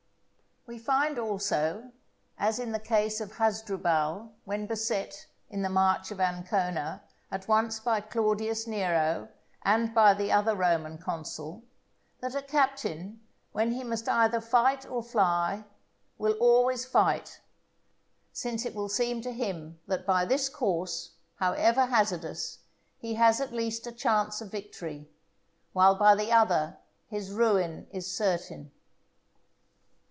We find also, as in the case of Hasdrubal when beset, in the March of Ancona, at once by Claudius Nero and by the other Roman consul, that a captain, when he must either fight or fly, will always fight, since it will seem to him that by this course, however hazardous, he has at least a chance of victory, while by the other his ruin is certain.